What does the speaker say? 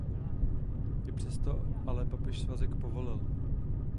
I přesto ale papež svazek povolil.